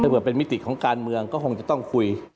เปิดเป็นมิติของการเมืองก็คงจะต้องคุย